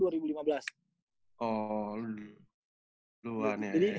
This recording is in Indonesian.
oh lu luar nih